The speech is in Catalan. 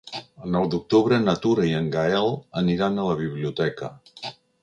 El nou d'octubre na Tura i en Gaël aniran a la biblioteca.